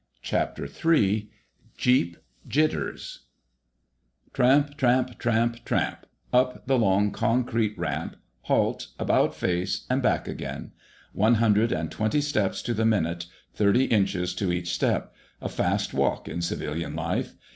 CHAPTER THREE JEEP JITTERS Tramp, tramp, tramp, tramp! Up the long concrete ramp—halt—about face—and back again. One hundred and twenty steps to the minute, thirty inches to each step—a fast walk, in civilian life.